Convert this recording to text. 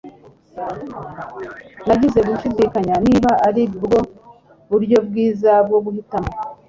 nagize gushidikanya niba aribwo buryo bwiza bwo guhitamo